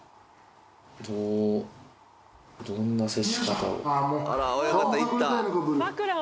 どんな接し方を。